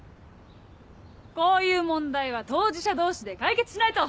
こういう問題は当事者同士で解決しないと。